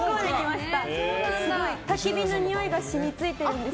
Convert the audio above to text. すごいたき火のにおいが染みついてるんですよ。